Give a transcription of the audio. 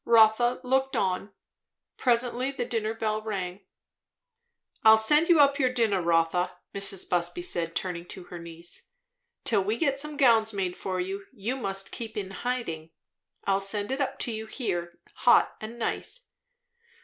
Rotha looked on. Presently the dinner bell rang. "I'll send you up your dinner, Rotha," Mrs. Busby said, turning to her niece. "Till we get some gowns made for you, you must keep in hiding. I'll send it up to you here, hot and nice."